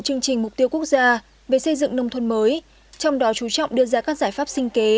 chương trình mục tiêu quốc gia về xây dựng nông thôn mới trong đó chú trọng đưa ra các giải pháp sinh kế